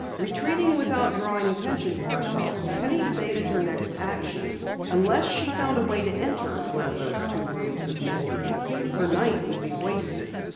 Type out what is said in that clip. Retreating without drawing attention to herself, Penny debated her next action. Unless she found a way to enter one of those two rooms of mystery, her night would be wasted.